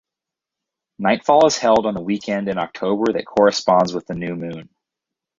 Nightfall is held on the weekend in October that corresponds with the new moon.